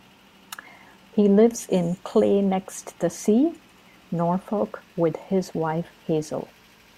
He lives in Cley-next-the-Sea, Norfolk with his wife Hazel.